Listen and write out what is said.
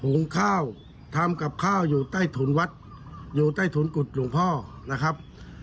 งข้าวทำกับข้าวอยู่ใต้ถุนวัดอยู่ใต้ถุนกุฎหลวงพ่อนะครับ